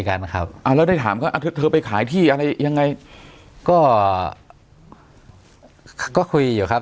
กันนะครับอ่าแล้วได้ถามเขาเธอไปขายที่อะไรยังไงก็ก็คุยอยู่ครับ